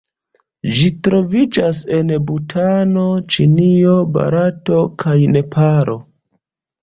Ĝi troviĝas en Butano, Ĉinio, Barato kaj Nepalo.